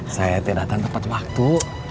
saya tidak datang tepat waktu